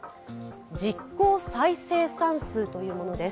実効再生産数というものです。